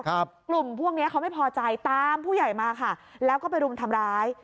กลุ่มพวกเนี้ยเขาไม่พอใจตามผู้ใหญ่มาค่ะแล้วก็ไปรุมทำร้าย